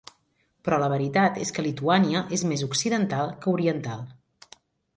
Però la veritat és que Lituània és més occidental que oriental.